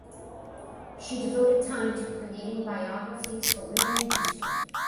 She devoted tine to creating biographies for woman in history.